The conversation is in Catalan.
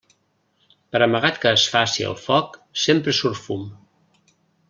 Per amagat que es faci el foc, sempre surt fum.